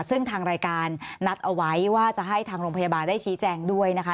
ซึ่งทางรายการนัดเอาไว้ว่าจะให้ทางโรงพยาบาลได้ชี้แจงด้วยนะคะ